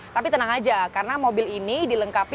tapi tenang aja karena mobil ini dilengkapi